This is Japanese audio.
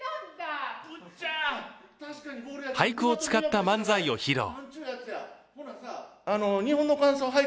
俳句を使った漫才を披露。